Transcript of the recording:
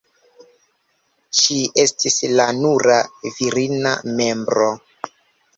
Ŝi estis la nura virina membro.